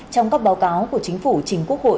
trong các báo cáo của chính phủ chính quốc hội